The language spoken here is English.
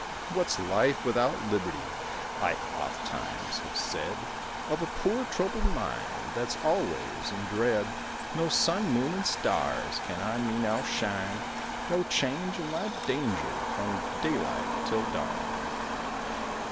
What's life without liberty? I ofttimes have said, Of a poor troubled mind That's always in dread; No sun, moon, and stars Can on me now shine, No change in my danger From daylight till dawn.